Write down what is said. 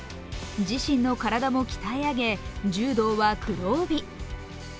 自身の体も鍛え上げ、柔道は黒帯。